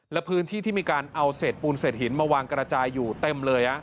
และพื้นที่ที่มีการเอาเศษปูนเศษหินมาวางกระจายอยู่เต็มเลย